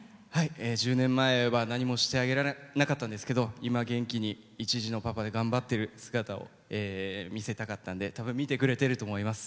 １０年前は何もしてあげられなかったんですけど今、元気に一児のパパで頑張っている姿を見せたかったんで多分、見てくれてると思います。